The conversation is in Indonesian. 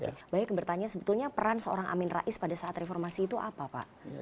baik bertanya sebetulnya peran seorang amin rais pada saat reformasi itu apa pak